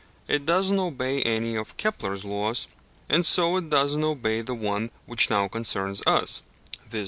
It does not obey any of Kepler's laws, and so it does not obey the one which now concerns us, viz.